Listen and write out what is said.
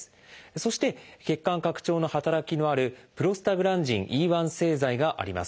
そして血管拡張の働きのあるプロスタグランジンＥ製剤があります。